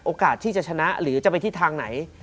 โอกาสที่จะชนะหรือจะไปที่ทางไหน